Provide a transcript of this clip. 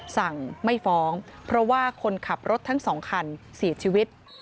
สั่งไม่ฟ้องเพราะว่าคนขับรถทั้งสองคันเสียชีวิต